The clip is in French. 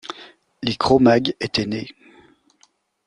Les Cro-Mags étaient nés.